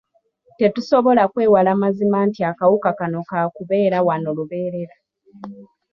Tetusobola kwewala mazima nti akawuka kano ka kubeera wano lubeerera.